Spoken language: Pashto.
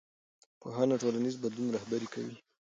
پوهنه ټولنیز بدلون رهبري کوي